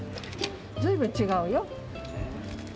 随分違うよ。